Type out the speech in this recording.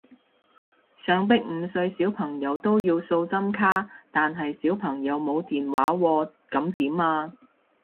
想逼五歲小朋友都要掃針卡，但係小朋友冇電話喎噉點啊？